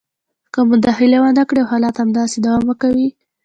که مداخله ونه کړي او حالات همداسې دوام کوي